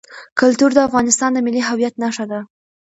کلتور د افغانستان د ملي هویت نښه ده.